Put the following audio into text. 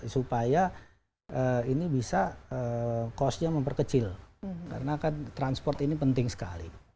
supaya ini bisa cost nya memperkecil karena kan transport ini penting sekali